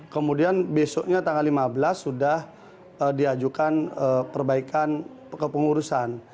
kemudian besoknya tanggal lima belas sudah diajukan perbaikan kepengurusan